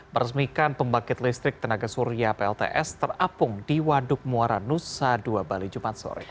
meresmikan pembangkit listrik tenaga surya plts terapung di waduk muara nusa dua bali jumat sore